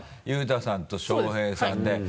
雄太さんと渉平さんで。